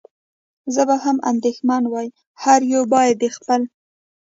زه به هم اندېښمن وای، هر یو باید د خپل.